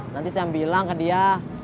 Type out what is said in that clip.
nanti saya bilang ke dia